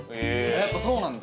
やっぱそうなんだ